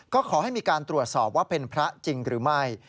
ก็ขอให้มีการตรวจสอบว่าเป็นพระจริงหรือไม่